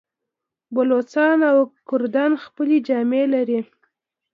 بلوڅان او کردان خپلې جامې لري.